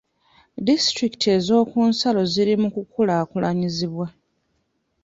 Disitulikiti ez'okunsalo ziri mu kukulaakulanyizibwa .